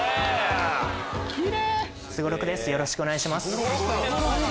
よろしくお願いします。